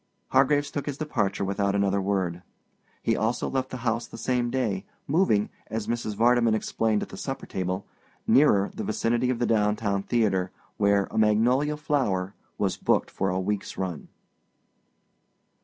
Hargraves took his departure without another word. He also left the house the same day, moving, as Mrs. Vardeman explained at the supper table, nearer the vicinity of the downtown theater, where A Magnolia Flower was booked for a week's run.